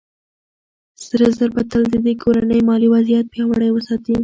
سره زر به تل د دې کورنۍ مالي وضعيت پياوړی وساتي.